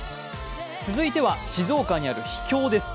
続いては静岡にある秘境です。